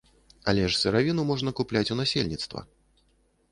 Але ж сыравіну можна купляць у насельніцтва.